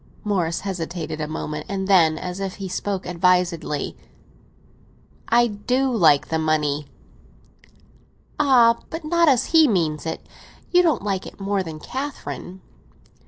Morris hesitated a moment; and then, as if he spoke advisedly—"I do like the money!" "Ah, but not—but not as he means it. You don't like it more than Catherine?"